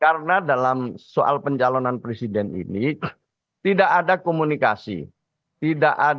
karena dalam soal pencalonan presiden ini tidak ada komunikasi tidak ada penjelasan